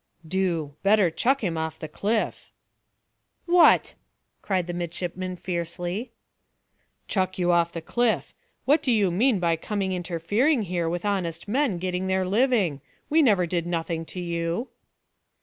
"Do! Better chuck him off the cliff." "What!" cried the midshipman fiercely. "Chuck you off the cliff. What do you mean by coming interfering here with honest men getting their living? We never did nothing to you."